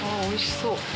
おいしそう！